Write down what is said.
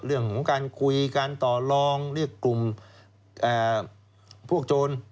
เรื่องของการคุยการต่อลองเรียกกลุ่มพวกโจร